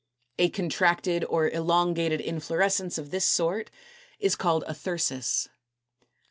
A contracted or elongated inflorescence of this sort is called a THYRSUS.